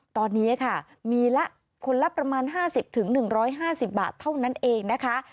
ตอนนี้ค่ะมีละคนละประมาณ๕๐๑๕๐บาทเท่านั้นเองนะคะ